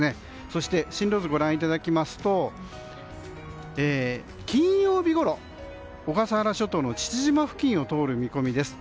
そして進路図をご覧いただきますと金曜日ごろ、小笠原諸島の父島付近を通る見込みです。